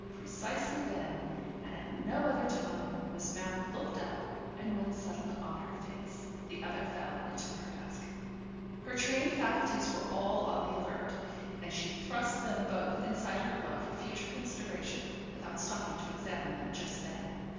Precisely then, and at no other time, Miss Mapp looked up, and one settled on her face, the other fell into her basket. Her trained faculties were all on the alert, and she thrust them both inside her glove for future consideration, without stopping to examine them just then.